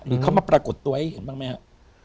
เขามาปรากฏตัวให้เห็นบ้างไหมครับ